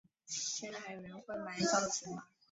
现在还有人会买报纸吗？